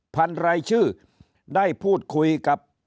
พันธุ์รายชื่อได้พูดคุยกับ